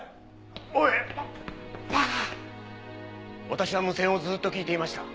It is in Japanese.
私は無線をずっと聞いていました。